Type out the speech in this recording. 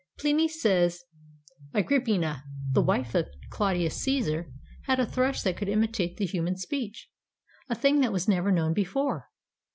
Pliny says: "Agrippina, the wife of Claudius Caesar, had a thrush that could imitate the human speech, a thing that was never known before.